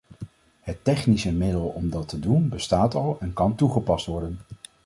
Het technische middel om dat te doen, bestaat al en kan toegepast worden.